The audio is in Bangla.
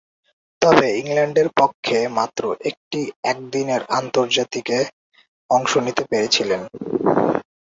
তবে, ইংল্যান্ডের পক্ষে মাত্র একটি একদিনের আন্তর্জাতিকে অংশ নিতে পেরেছিলেন।